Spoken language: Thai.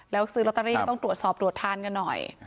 แล้วซื้อลอตเตอรี่ก็ต้องตรวจสอบตรวจทานกันหน่อย